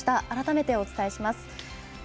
改めてお伝えします。